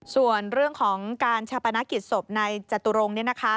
ส่วนเรื่องของการชาปนกิจศพนายจตุรงค์